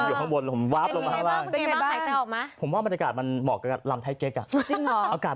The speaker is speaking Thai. ขยาวอุปกรณ์ตรวจคุณภาพอากาศ